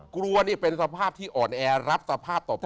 กลัวนี่เป็นสภาพที่อ่อนแอรับสภาพต่อไป